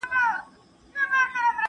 انسانان یو بل په ډیره اسانۍ سره غولوي.